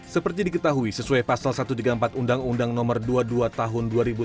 seperti diketahui sesuai pasal satu ratus tiga puluh empat undang undang nomor dua puluh dua tahun dua ribu dua